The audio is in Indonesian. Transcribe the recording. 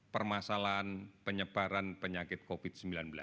permasalahan penyebaran penyakit covid sembilan belas